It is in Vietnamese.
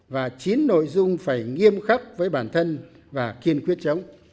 và chín nội dung phải nghiêm khắc với bản thân và kiên quyết chống